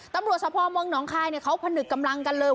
ตำรวจสอบภอมเมืองน้องคลายเนี่ยเขาผนึกกำลังกันเลย